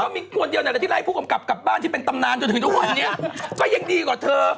มีคนเดียวนั่นแหละที่ไล่ผู้กำกับกลับบ้านที่เป็นตำนานจนถึงทุกวันนี้ก็ยังดีกว่าเธอ